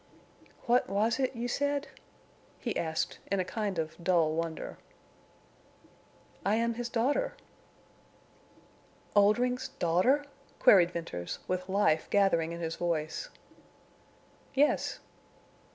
"What—was it—you said?" he asked, in a kind of dull wonder. "I am his daughter." "Oldring's daughter?" queried Venters, with life gathering in his voice. "Yes."